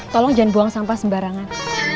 tolong jangan buang sampah sembarangan